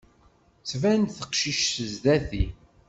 Tban-d teqcict sdat-i.